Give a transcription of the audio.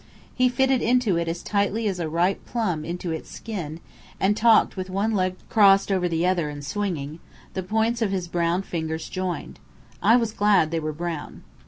He fitted into it as tightly as a ripe plum into its skin, and talked with one leg crossed over the other and swinging, the points of his brown fingers joined. I was glad they were brown.